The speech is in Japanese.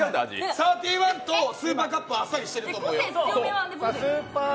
サーティワンとスーパーカップはあっさりしてると思うよ。